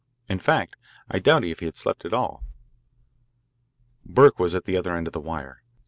In fact, I doubt if he had slept at all. Burke was at the other end of the wire.